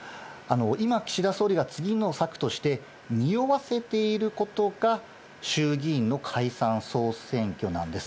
今、岸田総理が次の策として、におわせていることが、衆議院の解散・総選挙なんです。